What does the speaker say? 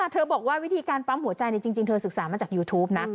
เธอบอกว่าวิธีการปั๊มหัวใจจริงเธอศึกษามาจากยูทูปนะ